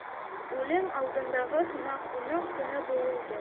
Үлем алдындағы һымаҡ, уның тыны быуылды.